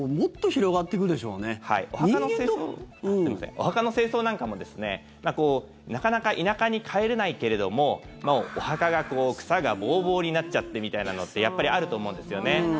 お墓の清掃なんかもなかなか田舎に帰れないけれどもお墓が、草がボーボーになっちゃってみたいなのってやっぱりあると思うんですよね。